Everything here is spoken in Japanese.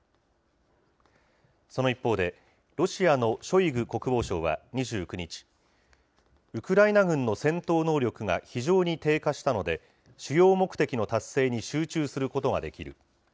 その一方で、ロシアのショイグ国防相は２９日、ウクライナ軍の戦闘能力が非常に低下したので、主要目的の達成に集中することができる。